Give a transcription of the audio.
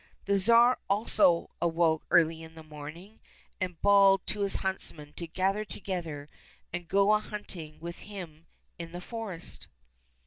The Tsar also awoke early in the morning, and bawled to his huntsmen to gather together and go a hunting with him in the forest.